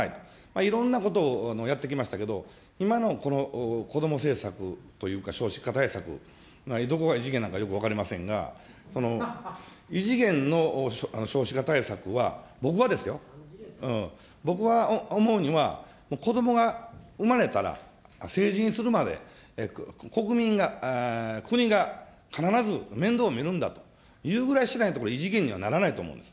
いろんなことをやってきましたけど、今のこの子ども政策というか、少子化対策、どこが異次元なのかよく分かりませんが、異次元の少子化対策は、僕はですよ、僕は思うには、子どもが産まれたら、成人するまで、国民が、国が、必ず面倒を見るんだというぐらいにしないと、これ、異次元にはならないと思うんです。